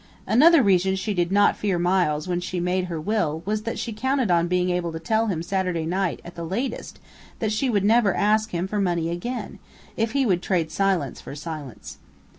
Another reason she did not fear Miles when she made her will was that she counted on being able to tell him Saturday night at the latest that she would never ask him for money again, if he would trade silence for silence.